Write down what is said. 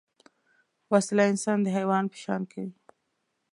وسله انسان د حیوان په شان کوي